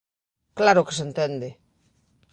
¡Claro que se entende!